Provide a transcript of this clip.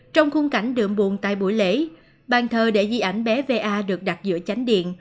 trong khung cảnh đượm buồn tại buổi lễ bàn thờ để di ảnh bé va được đặt giữa tránh điện